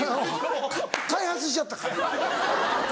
開発しちゃったから。